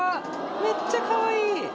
めっちゃかわいい！